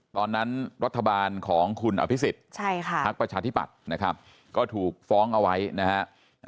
ตอนนั้นรัฐบาลของคุณอภิษฎภักดิ์ประชาธิปัตย์นะครับก็ถูกฟ้องเอาไว้นะฮะ